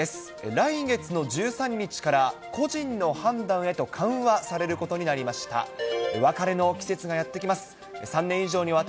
来月の１３日から、個人の判断へと緩和されることになりました。